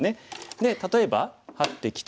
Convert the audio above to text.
で例えばハッてきて。